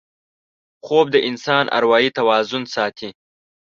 خوب د انسان اروايي توازن ساتي